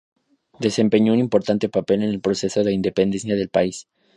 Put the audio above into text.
Desempeñó un importante papel en el proceso de independencia del país.